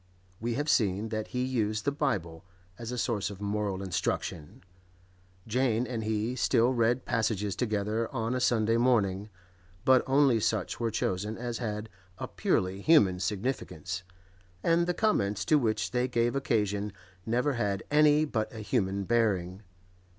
We have seen that he used the Bible as a source of moral instruction; Jane and he still read passages together on a Sunday morning, but only such were chosen as had a purely human significance, and the comments to which they gave occasion never had any but a human bearing.